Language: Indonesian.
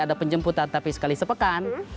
ada penjemputan tapi sekali sepekan